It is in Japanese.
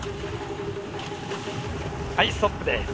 はいストップです。